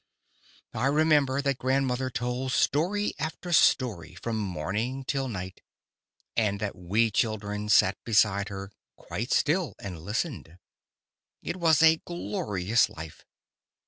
I remember that grandmother told story after story from morning till night, and that we children sat beside her, quite still, and listened. It was a glorious life!